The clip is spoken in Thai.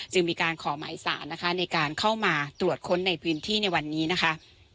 จึงมีการขอหมายสารนะคะในการเข้ามาตรวจค้นในพื้นที่ในวันนี้นะคะ